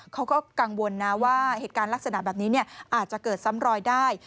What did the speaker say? เขาก็กังวลนะว่าเหตุการณ์ลักษณะแบบนี้อาจจะเกิดซ้ำรอยได้